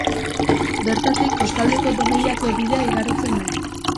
Bertatik Kostaldeko Done Jakue bidea igarotzen da.